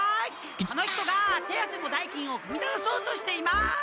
この人が手当ての代金をふみたおそうとしています！